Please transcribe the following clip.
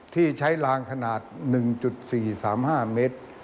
ที่ใช้ลางขนาด๑๔๓๕เมตร